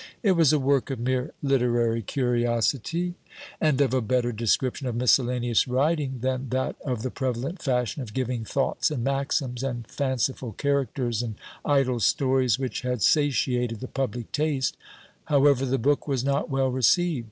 It was a work of mere literary curiosity, and of a better description of miscellaneous writing than that of the prevalent fashion of giving thoughts and maxims, and fanciful characters, and idle stories, which had satiated the public taste: however, the book was not well received.